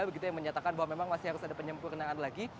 begitu yang menyatakan bahwa memang masih harus ada penyempurnaan lagi